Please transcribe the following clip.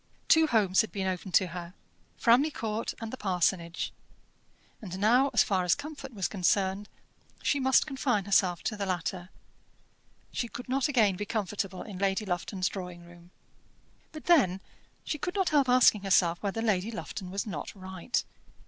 Two homes had been open to her, Framley Court and the parsonage; and now, as far as comfort was concerned, she must confine herself to the latter. She could not again be comfortable in Lady Lufton's drawing room. But then she could not help asking herself whether Lady Lufton was not right.